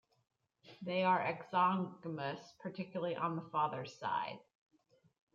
They are exogamous, particularly on the father's side.